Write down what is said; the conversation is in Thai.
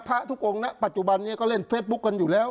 พระทุกองค์นะปัจจุบันนี้ก็เล่นเฟซบุ๊คกันอยู่แล้ว